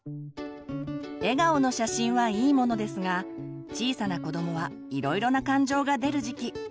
笑顔の写真はいいものですが小さな子どもはいろいろな感情が出る時期。